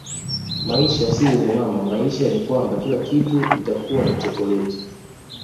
Maisha si lele mama maisha si kwamba kila siku itakuwa ni chokoleti